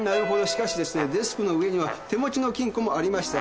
しかしデスクの上には手持ちの金庫もありました。